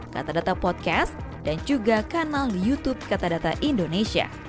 katadata podcast dan juga kanal youtube katadata indonesia